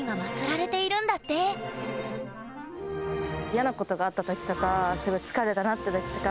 嫌なことがあった時とかすごい疲れたなって時とか